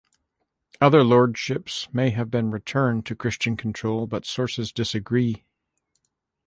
Other lordships may have been returned to Christian control, but sources disagree.